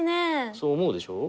そう思うでしょう？